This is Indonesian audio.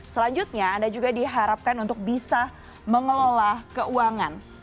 selanjutnya anda juga diharapkan untuk bisa mengelola keuangan